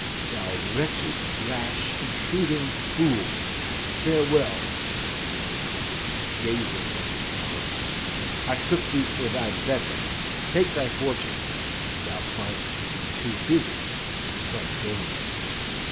"Thou wretched, rash, intruding fool, farewell," said the young Prince, gazing at him sorrowfully. "I took thee for thy better; take thy fortune! Thou find'st to be too busy is some danger."